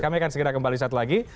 kami akan segera kembali saat lagi